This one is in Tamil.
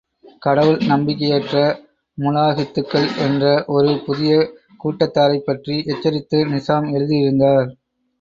கடவுள் நம்பிக்கையற்ற முலாஹித்துக்கள் என்ற ஒரு புதிய கூட்டத்தாரைப் பற்றி எச்சரித்து நிசாம் எழுதியிருந்தார்.